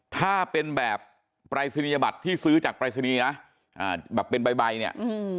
ถ้าเป็นแบบปลายศิลยาบัตรที่ซื้อจากปลายศิลยาแบบเป็นใบเนี่ย